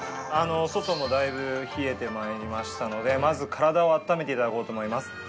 外もだいぶ冷えてまいりましたのでまず体を温めていただこうと思います。